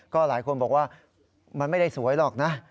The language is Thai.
ก็หลายคนบอกว่ามันไม่ได้สวยหรอกนะ